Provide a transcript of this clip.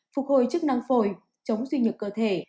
phục hồi chức năng phổi chống suy nhược cơ thể